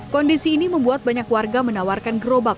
kondisi ini membuat banyak warga menawarkan gerobak